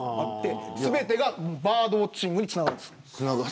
全てがバードウオッチングにつながるんです。